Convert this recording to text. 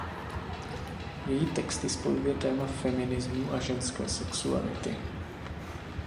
Její texty spojuje téma feminismu a ženské sexuality.